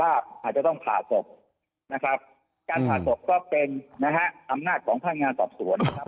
อาจจะต้องผ่าศพนะครับการผ่าศพก็เป็นนะฮะอำนาจของพนักงานสอบสวนนะครับ